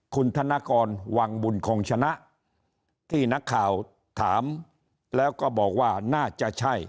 คุณธนกรวังบุญคงชนะที่นักข่าวถามแล้วก็บอกว่าน่าจะใช่